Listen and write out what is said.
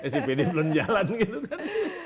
sipd belum jalan gitu kan